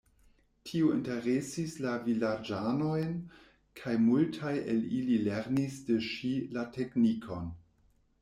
Tio interesis la vilaĝanojn, kaj multaj el ili lernis de ŝi la teknikon.